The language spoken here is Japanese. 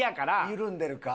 緩んでるか。